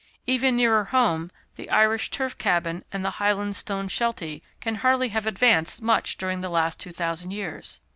Even nearer home, the Irish turf cabin and the Highland stone shelty can hardly have advanced much during the last two thousand years.